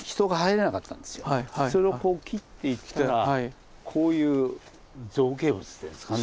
それをこう切っていったらこういう造形物っていうんですかね。